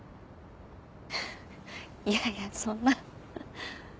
いやいやそんな。